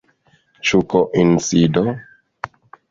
Ĉu koincido?